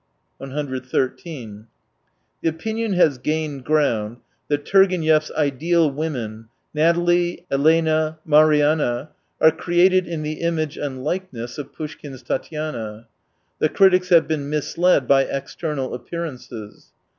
The opinion has gained ground that Turgenev's ideal women — Natalie, Elena, Marianna— are created in the image and likeness of Poushkin's Tatyana. The critics have been misled by external appearances.